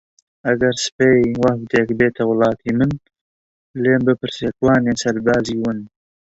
ئەگەر سبەی وەفدێک بێتە وڵاتی من لێم بپرسێ کوانێ سەربازی ون